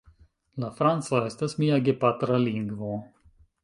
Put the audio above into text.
La franca estas mia gepatra lingvo.